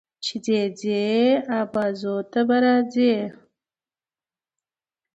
چې ځې ځې ابازو ته به راځې